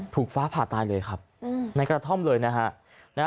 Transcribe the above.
ฟ้าผ่าตายเลยครับในกระท่อมเลยนะฮะ